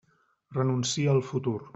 Renuncia al futur.